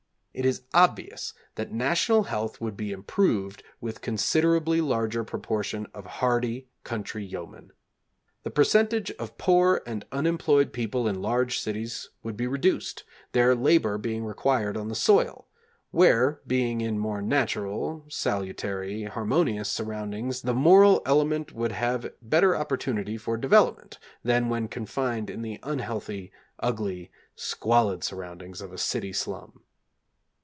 It is obvious that national health would be improved with a considerably larger proportion of hardy country yeomen. The percentage of poor and unemployed people in large cities would be reduced, their labor being required on the soil, where, being in more natural, salutary, harmonious surroundings the moral element would have better opportunity for development than when confined in the unhealthy, ugly, squalid surroundings of a city slum.